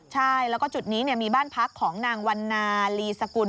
ใช่แล้วก็จุดนี้มีบ้านพักของนางวันนาลีสกุล